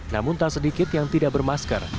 namun tak sedikit yang tidak bermasker